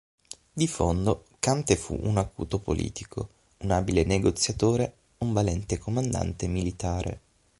Di fondo Cante fu un acuto politico, un abile negoziatore, un valente comandante militare.